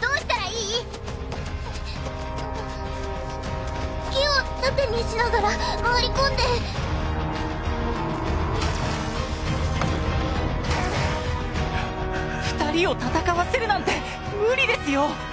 えっあっ木を盾にしながら回り込んで二人を戦わせるなんて無理ですよ！